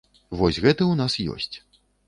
Вось гэты ў нас ёсць.